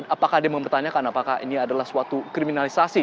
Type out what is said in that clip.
apakah dia mempertanyakan apakah ini adalah suatu kriminalisasi